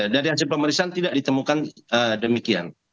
dari hasil pemeriksaan tidak ditemukan demikian